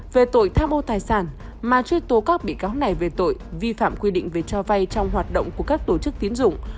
về tội tham ô tài sản mà truy tố các bị cáo này về tội vi phạm quy định về cho vay trong hoạt động của các tổ chức tiến dụng